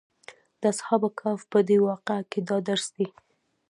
د اصحاب کهف په دې واقعه کې دا درس دی.